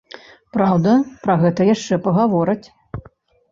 Праўда, пра гэта яшчэ пагавораць.